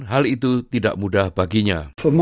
hal itu tidak mudah baginya